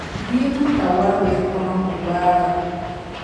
Di yi niŋ ka wari bee kɔhingu gbaagi a.